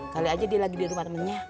kali aja dia lagi di rumah temennya